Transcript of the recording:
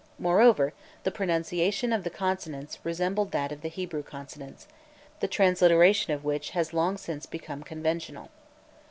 Moreover, the pronunciation of the consonants resembled that of the Hebrew consonants, the transliteration of which has long since become conventional.